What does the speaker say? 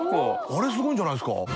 あれすごいんじゃないですか？